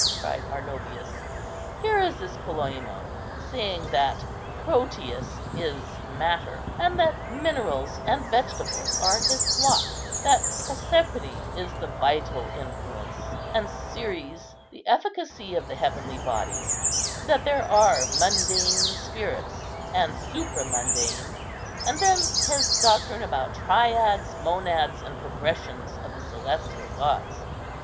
cried Arnobius. "Here is this Polemo saying that Proteus is matter, and that minerals and vegetables are his flock; that Proserpine is the vital influence, and Ceres the efficacy of the heavenly bodies; that there are mundane spirits, and supramundane; and then his doctrine about triads, monads, and progressions of the celestial gods?"